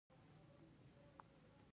دومره تياري ته اړتيا نه وه